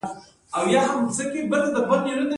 د غاښونو د سپینولو لپاره د چارمغز پوستکی وکاروئ